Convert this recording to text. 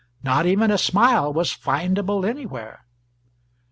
Not even a smile was findable anywhere.